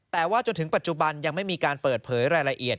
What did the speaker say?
แต่ว่าจนถึงปัจจุบันยังไม่มีการเปิดเผยรายละเอียด